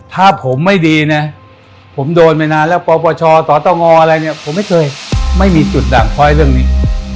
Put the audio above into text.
ถ้าผมไม่ดีนะผมโดนมานานแล้วปปชสตงอะไรเนี่ยผมไม่เคยไม่มีจุดดั่งเพราะเรื่องนี้